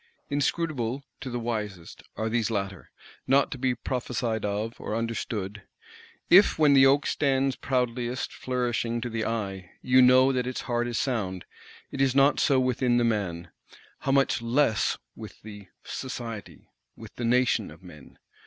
Inscrutable, to the wisest, are these latter; not to be prophesied of, or understood. If when the oak stands proudliest flourishing to the eye, you know that its heart is sound, it is not so with the man; how much less with the Society, with the Nation of men!